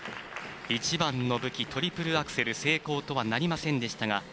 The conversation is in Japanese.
一番の武器、トリプルアクセル成功とはなりませんでしたが。